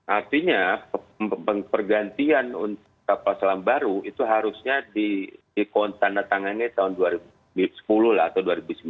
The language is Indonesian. artinya pergantian kapal selam baru itu harusnya ditandatangani tahun dua ribu sepuluh atau dua ribu sembilan